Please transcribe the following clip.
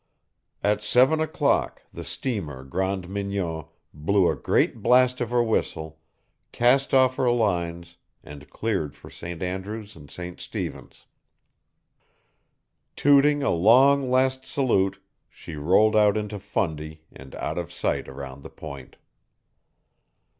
At seven o'clock the steamer Grande Mignon blew a great blast of her whistle, cast off her lines, and cleared for St. Andrew's and St. Stephens. Tooting a long, last salute, she rolled out into Fundy and out of sight around the point.